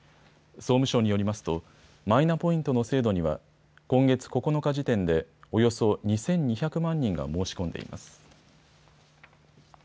総務省によりますとマイナポイントの制度には今月９日時点で、およそ２２００万人が申し込んでいます。